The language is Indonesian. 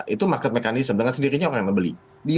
itu market mechanism dengan sendirinya orang yang membeli